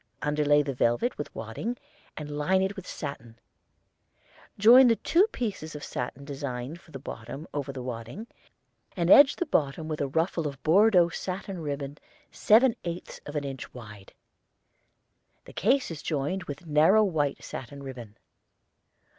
Underlay the velvet with wadding, and line it with satin; join the two pieces of satin designed for the bottom over wadding, and edge the bottom with a ruffle of Bordeaux satin ribbon seven eighths of an inch wide. The case is joined with narrow white satin ribbon.